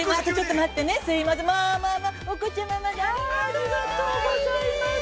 ◆ありがとうございます。